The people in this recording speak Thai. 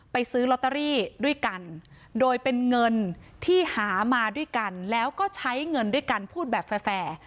ซื้อลอตเตอรี่ด้วยกันโดยเป็นเงินที่หามาด้วยกันแล้วก็ใช้เงินด้วยกันพูดแบบแฟร์